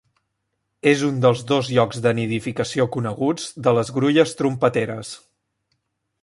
És un dels dos llocs de nidificació coneguts de les grulles trompeteres.